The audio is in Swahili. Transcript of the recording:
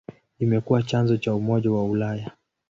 Imekuwa chanzo cha Umoja wa Ulaya.